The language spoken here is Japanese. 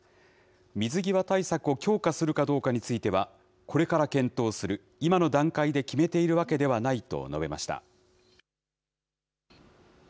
水際対策を強化するかどうかについては、これから検討する、今の段階で決めているわけではないと述べました。